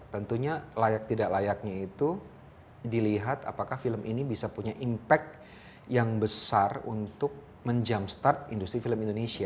tentunya layak tidak layaknya itu dilihat apakah film ini bisa punya impact yang besar untuk menjumpstart industri film indonesia